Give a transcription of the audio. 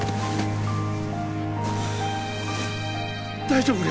・大丈夫！？